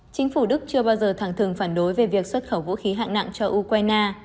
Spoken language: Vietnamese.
chính phủ đức chưa bao giờ thẳng thường phản đối về việc xuất khẩu vũ khí hạng nặng cho ukraine